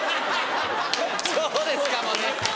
「そうですかもね」。